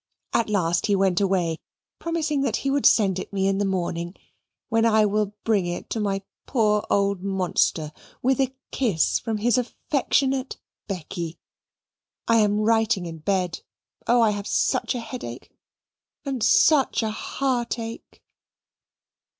At last he went away, promising that he would send it me in the morning: when I will bring it to my poor old monster with a kiss from his affectionate BECKY I am writing in bed. Oh I have such a headache and such a heartache!